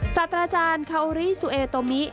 ศาสตราจารย์คาโอริสุเอโตมิ